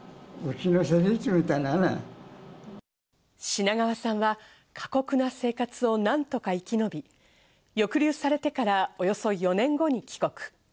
品川さんは、過酷な生活を何とか生き延び、抑留されてからおよそ４年後に帰国。